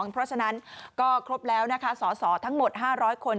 เพราะฉะนั้นก็ครบแล้วนะคะสสทั้งหมด๕๐๐คน